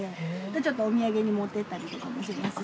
ちょっとお土産に持ってったりとかもしますし。